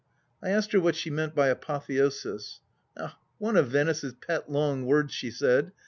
I asked her what she meant by apotheosis. " One of Venice's pet long words," she said.